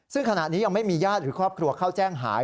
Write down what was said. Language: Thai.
ซึ่งขณะนี้ยังไม่มีญาติหรือครอบครัวเข้าแจ้งหาย